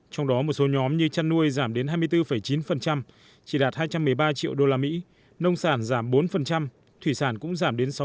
trong đó một số nhóm như chăn nuôi giảm đến hai mươi bốn chín chỉ đạt hai trăm một mươi ba triệu usd nông sản giảm bốn thủy sản cũng giảm đến sáu